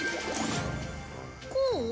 こう？